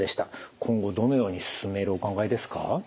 今後どのように進めるお考えですか？